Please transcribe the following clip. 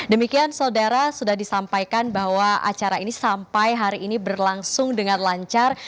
demikian saudara sudah disampaikan bahwa acara ini sampai hari ini berlangsung dengan lancar